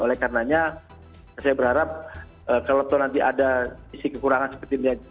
oleh karenanya saya berharap kalau nanti ada isi kekurangan seperti ini